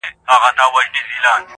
راوړي دي و یار ته یار لېمه شراب شراب,